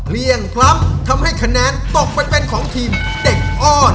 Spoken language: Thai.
เลี่ยงพล้ำทำให้คะแนนตกไปเป็นของทีมเด็กอ้อน